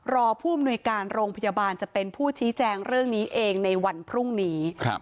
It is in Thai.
รอผู้อำนวยการโรงพยาบาลจะเป็นผู้ชี้แจงเรื่องนี้เองในวันพรุ่งนี้